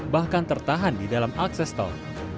bahkan tertahan di dalam akses tol